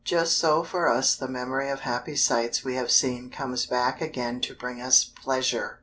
Just so for us the memory of happy sights we have seen comes back again to bring us pleasure.